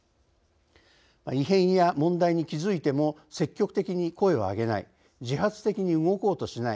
異変や問題に気づいても積極的に声を上げない自発的に動こうとしない